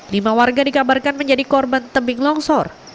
lima warga dikabarkan menjadi korban tebing longsor